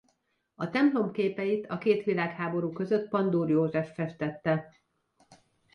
A templom képeit a két világháború között Pandúr József festette.